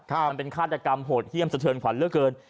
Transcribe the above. มันเป็นฆาตกรรมโหดเยี่ยมสะเทินขวัญเหลือเกิน